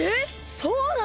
そうなの！？